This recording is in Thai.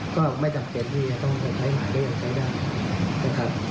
ก็ไม่จำเป็นที่ต้องใช้หมายแล้วยังใช้ได้นะครับ